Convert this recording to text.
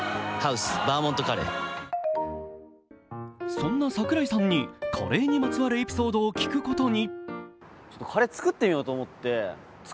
そんな櫻井さんにカレーにまつわるエピソードを聞くことに。